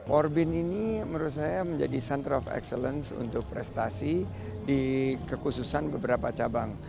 orbin ini menurut saya menjadi center of excellence untuk prestasi di kekhususan beberapa cabang